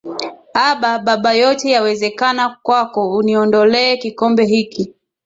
Aba Baba yote yawezekana kwako uniondolee kikombe hiki